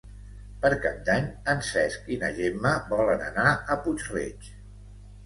Per Cap d'Any en Cesc i na Gemma volen anar a Puig-reig.